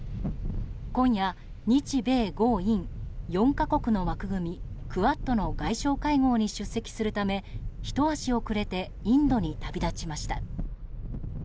今夜、日米豪印４か国の枠組みクアッドの外相会合に出席するためひと足遅れてインドに旅立ちました。